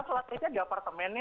kan sholat itu di apartemennya